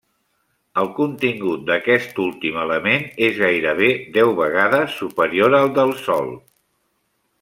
El contingut d'aquest últim element és gairebé deu vegades superior al del Sol.